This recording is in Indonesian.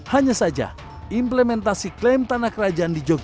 hanya saja implementasi klaim tanah kerajaan di yogyakarta